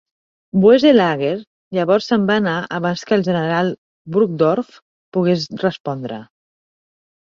Boeselager llavors se'n va anar abans que el General Burgdorf pogués respondre.